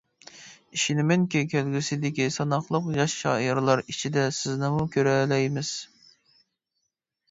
ئىشىنىمەنكى، كەلگۈسىدىكى ساناقلىق ياش شائىرلار ئىچىدە سىزنىمۇ كۆرەلەيمىز!